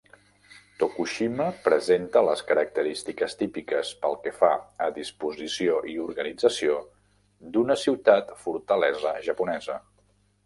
Tokushima presenta les característiques típiques, pel que fa a disposició i organització, d'una ciutat-fortalesa japonesa.